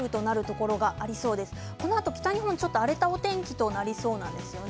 このあと北日本ちょっと荒れたお天気になりそうなんですよね。